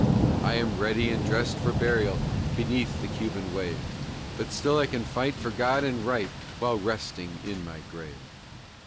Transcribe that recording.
"I am ready and dressed for burial, Beneath the Cuban wave; But still I can fight for God and right, While resting in my grave!"